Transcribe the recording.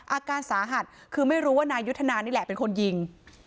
อาการสาหัสคือไม่รู้ว่านายยุทธนานี่แหละเป็นคนยิง